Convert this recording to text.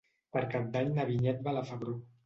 Per Cap d'Any na Vinyet va a la Febró.